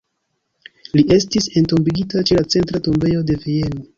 Li estis entombigita ĉe la Centra Tombejo de Vieno.